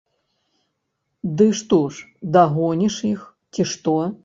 Ды што ж, дагоніш іх, ці што?